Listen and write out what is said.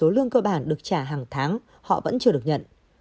nếu số lương cơ bản được trả hàng tháng họ vẫn chưa được nhận